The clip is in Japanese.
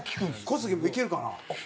小杉もいけるかな？